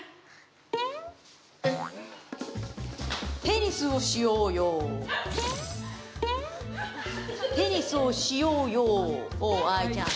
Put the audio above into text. テニスをしようよテニスをしようよ、おう、愛ちゃん。